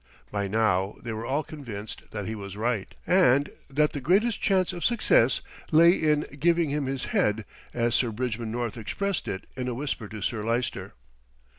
By now they were all convinced that he was right, and that the greatest chance of success lay in "giving him his head," as Sir Bridgman North expressed it in a whisper to Sir Lyster.